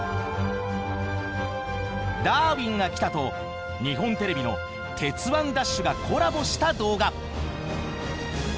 「ダーウィンが来た！」と日本テレビの「鉄腕！ＤＡＳＨ！！」がコラボした動画。